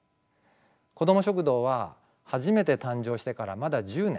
こども食堂は初めて誕生してからまだ１０年。